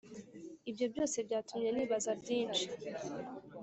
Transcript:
Ibyo byose byatumye nibaza byinshi,